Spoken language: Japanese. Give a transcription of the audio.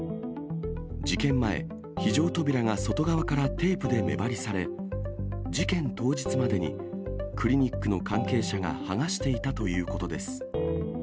事件前、非常扉が外側からテープで目張りされ、事件当日までにクリニックの関係者が剥がしていたということです。